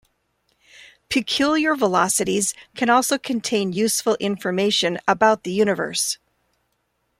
Peculiar velocities can also contain useful information about the universe.